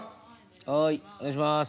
はいお願いします。